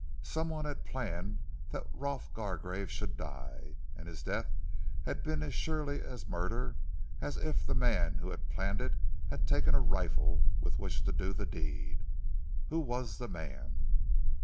Some one had planned that Rolf Gargrave should die; and his death had been as surely a murder as if the man who had planned it had taken a rifle with which to do the deed. Who was the man?